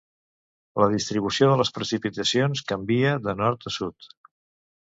La distribució de les precipitacions canvia de nord a sud.